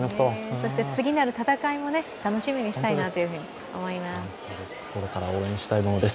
そして次なる戦いも楽しみにしたいなと思います。